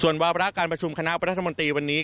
ส่วนวาบราการประชุมคณะประธรรมนตรีวันนี้